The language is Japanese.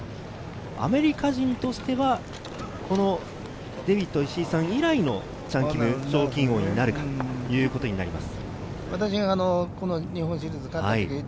アメリカ人としては、このデビッド・イシイさん以来のチャン・キム、賞金王になるか？ということになります。